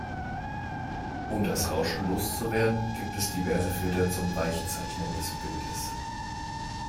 Um das Rauschen loszuwerden, gibt es diverse Filter zum Weichzeichnen des Bildes.